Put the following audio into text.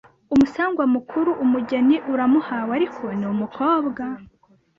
Umusangwa mukuru: Umugeni uramuhawe ariko ni umukowa